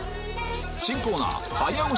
⁉新コーナー早押し